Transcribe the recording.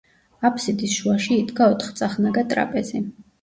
აფსიდის შუაში იდგა ოთხწახნაგა ტრაპეზი.